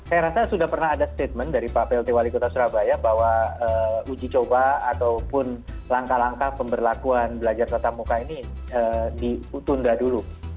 saya rasa sudah pernah ada statement dari pak plt wali kota surabaya bahwa uji coba ataupun langkah langkah pemberlakuan belajar tetap muka ini ditunda dulu